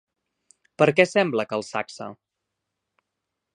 Per què sembla que el sacsa?